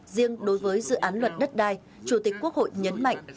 riêng đối với dự án luật đất đai chủ tịch quốc hội nhấn mạnh